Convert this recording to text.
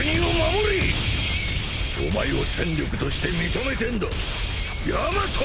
お前を戦力として認めてんだヤマト！